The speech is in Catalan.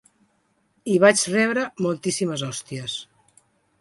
I vaig rebre moltíssimes hòsties.